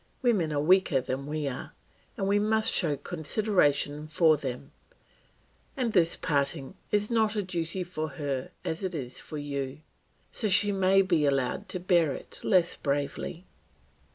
Women are weaker than we are, and we must show consideration for them; and this parting is not a duty for her as it is for you, so she may be allowed to bear it less bravely."